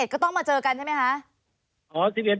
ก็ต้องมาเจอกันใช่ไหมคะ